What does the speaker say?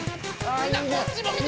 みんなこっちだって！